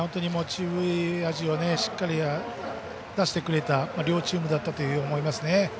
持ち味をしっかり出してくれた両チームだったと思いますね。